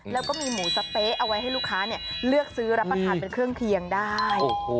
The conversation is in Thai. แล้วก็มีหมูสะเต๊ะเอาไว้ให้ลูกค้าเลือกซื้อรับประทานเป็นเครื่องเคียงได้